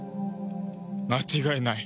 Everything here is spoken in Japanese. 間違いない。